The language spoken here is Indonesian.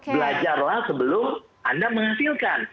belajarlah sebelum anda menghasilkan